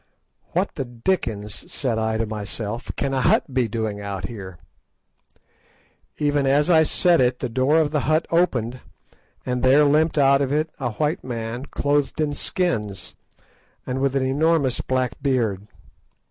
"What the dickens," said I to myself, "can a hut be doing here?" Even as I said it the door of the hut opened, and there limped out of it a white man clothed in skins, and with an enormous black beard.